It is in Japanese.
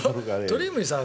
鳥海さん